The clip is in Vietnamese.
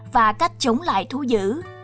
và cách chống lại thú dữ